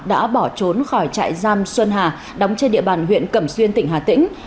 đã bỏ trốn khỏi trại giam xuân hà đóng trên địa bàn huyện cẩm xuyên tỉnh hà tĩnh